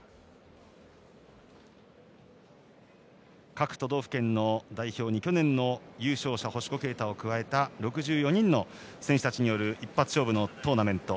各都道府県の代表に去年の優勝者星子啓太を加えた６４人の選手たちによる一発勝負のトーナメント。